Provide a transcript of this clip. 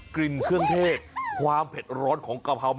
กลิ่นเครื่องเทศความเผ็ดร้อนของกะเพรา